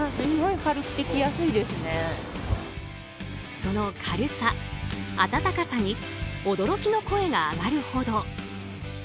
その軽さ、暖かさに驚きの声が上がるほど。